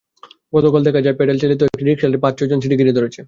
গতকাল দেখা যায়, প্যাডেলচালিত একটি রিকশা এলে পাঁচ-ছয়জন সেটি ঘিরে ধরছে।